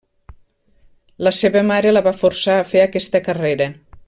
La seva mare la va forçar a fer aquesta carrera.